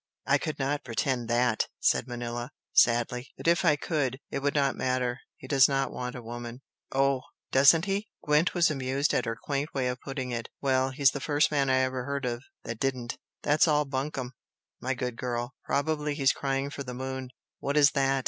"I could not pretend THAT!" said Manella, sadly "But if I could, it would not matter. He does not want a woman." "Oh, doesn't he?" Gwent was amused at her quaint way of putting it. "Well, he's the first man I ever heard of, that didn't! That's all bunkum, my good girl! Probably he's crying for the moon!" "What is that?"